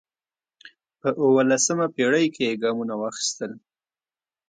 په اوولسمه پېړۍ کې یې ګامونه واخیستل